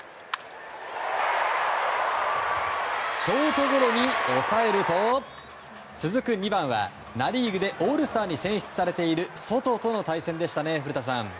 ショートゴロに抑えると続く２番は、ナ・リーグでオールスターに選出されているソトとの対戦でしたね古田さん。